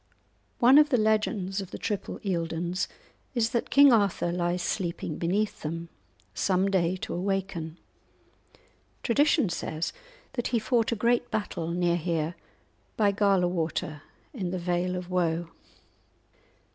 One of the legends of the triple Eildons is that King Arthur lies sleeping beneath them, some day to awaken. Tradition says that he fought a great battle near here, by Gala Water, in the Vale of Woe.